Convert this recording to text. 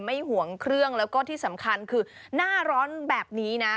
ห่วงเครื่องแล้วก็ที่สำคัญคือหน้าร้อนแบบนี้นะ